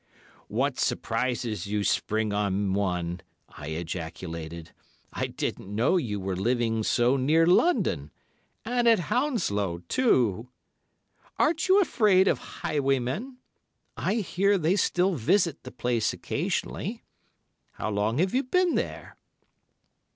"What surprises you spring on one," I ejaculated. "I didn't know you were living so near London—and at Hounslow, too! Aren't you afraid of highwaymen. I hear they still visit the place occasionally. How long have you been there?"